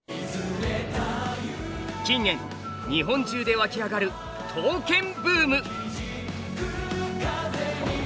近年日本中でわき上がる刀剣ブーム。